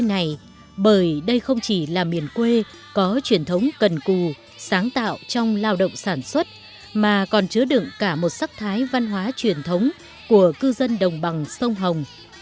nơi này bởi đây không chỉ là miền quê có truyền thống cần cù sáng tạo trong lao động sản xuất mà còn chứa đựng cả một sắc thái văn hóa truyền thống của cư dân đồng bằng sông hồng